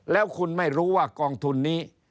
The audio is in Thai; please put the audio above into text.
แล้วคุณไม่รู้ว่ากองทุนนี้